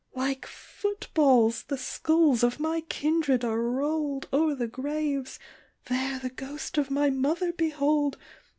Like footballs the skulls of my kindred are roll'd O'er the graves! — There the ghost of my mother behold